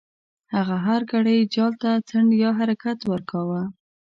هغه هر ګړی جال ته څنډ یا حرکت ورکاوه.